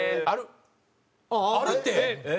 あるって！